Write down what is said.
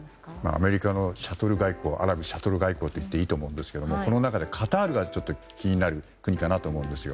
アメリカのアラブシャトル外交といっていいと思うんですけどこの中でカタールが気になる国かなと思います。